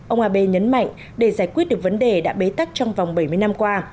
ông abe nhấn mạnh để giải quyết được vấn đề đã bế tắc trong vòng bảy mươi năm qua